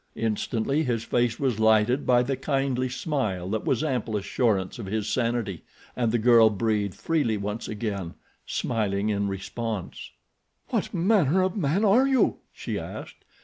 Instantly his face was lighted by the kindly smile that was ample assurance of his sanity, and the girl breathed freely once again, smiling in response. "What manner of man are you?" she asked.